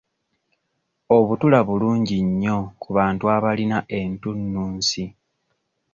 Obutula bulungi nnyo ku bantu abalina entunnunsi.